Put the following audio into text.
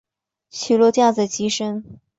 起落架在机身。